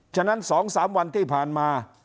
ฉะนั้น๒๓วันที่ผ่านมา